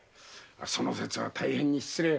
その節は大変に失礼を。